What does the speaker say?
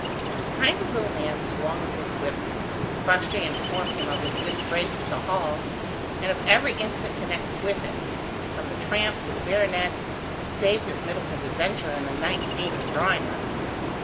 The kindly little man swung his whip. Crossjay informed him of his disgrace at the Hall, and of every incident connected with it, from the tramp to the baronet, save Miss Middleton's adventure and the night scene in the drawing room.